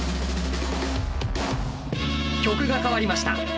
曲が変わりました。